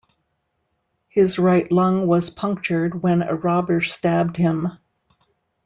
His right lung was punctured when a robber stabbed him.